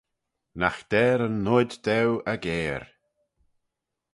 Nagh der yn Noid daue aggair.